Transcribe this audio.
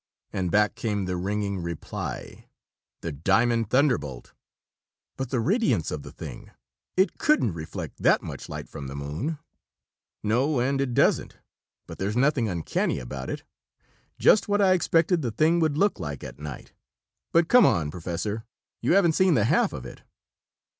And back came the ringing reply: "The Diamond Thunderbolt!" "But the radiance of the thing! It couldn't reflect that much light from the moon!" "No, and it doesn't. But there's nothing uncanny about it. Just what I expected the thing would look like at night. But come on, Professor. You haven't seen the half of it!"